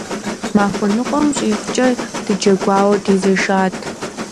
Махуэ ныкъуэм щӏигъукӏэ дыджэгуауэ дезэшат.